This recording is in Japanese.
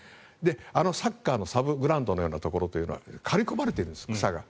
あのサッカーのサブグラウンドのようなところは刈り込まれているんです、草が。